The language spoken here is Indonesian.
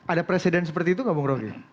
ada presiden seperti itu pak bung rogi